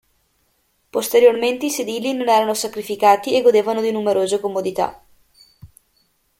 Posteriormente i sedili non erano sacrificati e godevano di numerose comodità.